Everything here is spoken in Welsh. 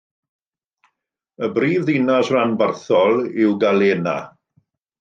Y brifddinas ranbarthol yw Galena.